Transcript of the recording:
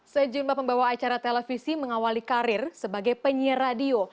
sejumlah pembawa acara televisi mengawali karir sebagai penyiar radio